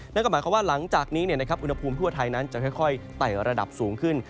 นั่นก็หมายความว่าหลังจากนี้อุณหภูมิทั่วไทยนั้นจะค่อยไต่ระดับสูงขึ้น